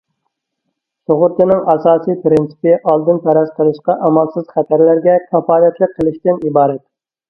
سۇغۇرتىنىڭ ئاساسىي پىرىنسىپى ئالدىن پەرەز قىلىشقا ئامالسىز خەتەرلەرگە كاپالەتلىك قىلىشتىن ئىبارەت.